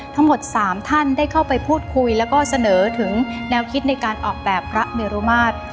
ทั้งหมด๓ท่านได้เข้าไปพูดคุยแล้วก็เสนอถึงแนวคิดในการออกแบบพระเมรุมาตร